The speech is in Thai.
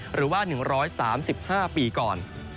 หรือว่า๑๓๕ปีก่อน